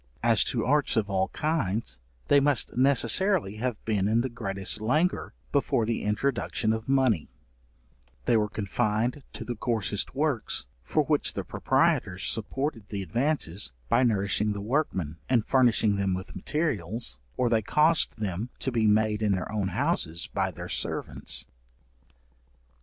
As to arts of all kinds, they must necessarily have been in the greatest languor before the introduction of money; they were confined to the coarsest works, for which the proprietors supported the advances, by nourishing the workmen, and furnishing them with materials, or they caused them to be made in their own houses by their servants.